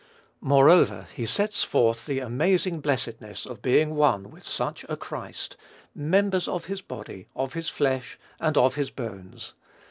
Moreover, he sets forth the amazing blessedness of being one with such a Christ, "members of his body, of his flesh, and of his bones."